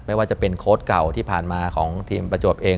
ไม่ว่าจะเป็นโค้ดเก่าที่ผ่านมาของทีมประจวบเอง